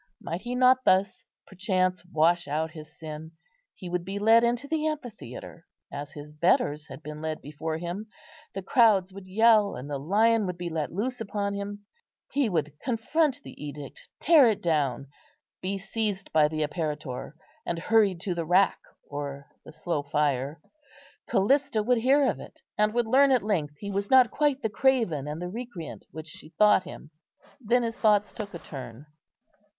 Might he not thus perchance wash out his sin? He would be led into the amphitheatre, as his betters had been led before him; the crowds would yell, and the lion would be let loose upon him. He would confront the edict, tear it down, be seized by the apparitor, and hurried to the rack or the slow fire. Callista would hear of it, and would learn at length he was not quite the craven and the recreant which she thought him. Then his thoughts took a turn.